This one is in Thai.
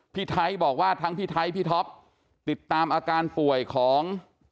พี่ไทยบอกว่าทั้งพี่ไทยพี่ท็อปติดตามอาการป่วยของ